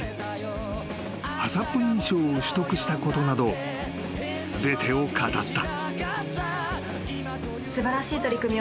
［ＨＡＣＣＰ認証を取得したことなど全てを語った］